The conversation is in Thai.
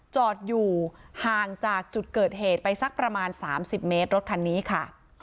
จอดอยู่ห่างจากจุดเกิดเหตุไปสักประมาณ๓๐เมตรรถคันนี้ค่ะ